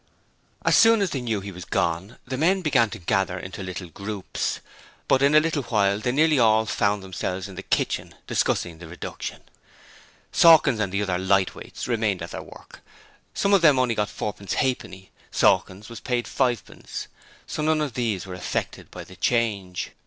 As soon as they knew that he was gone, the men began to gather into little groups, but in a little while they nearly all found themselves in the kitchen, discussing the reduction. Sawkins and the other 'lightweights' remained at their work. Some of them got only fourpence halfpenny Sawkins was paid fivepence so none of these were affected by the change.